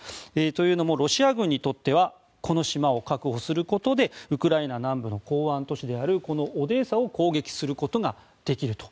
というのもロシア軍にとってはこの島を確保することでウクライナ南部の港湾都市であるオデーサを攻撃することができると。